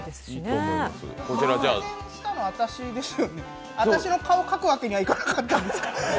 お願いしたのは私ですよね、私の顔描くわけにはいかなかったんですか？